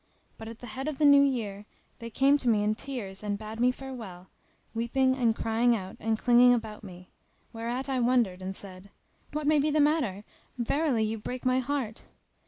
But at the head of the new year they came to me in tears and bade me farewell, weeping and crying out and clinging about me: whereat I wondered and said, "What may be the matter? verily you break my heart!"